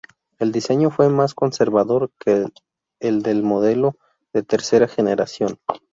El diseño fue más conservador que el del modelo de tercera generación.